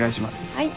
はい。